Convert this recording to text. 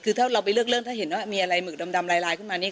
คือถ้าเราไปเลือกเรื่องถ้าเห็นว่ามีอะไรหมึกดำลายขึ้นมานี่